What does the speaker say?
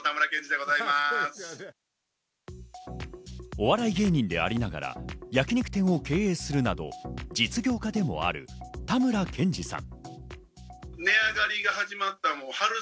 お笑い芸人でありながら、焼肉店を経営するなど実業家でもあるたむらけんじさん。